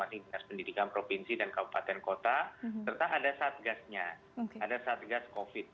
dinas pendidikan provinsi dan kabupaten kota serta ada satgasnya ada satgas covid